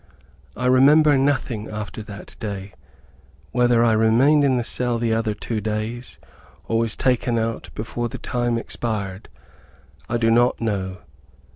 I remember nothing after that day. Whether I remained in the cell the other two days, or was taken out before the time expired, I do not know.